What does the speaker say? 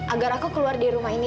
agar aku keluar di rumah ini